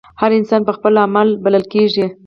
هر انسان پۀ خپل عمل بللے کيږي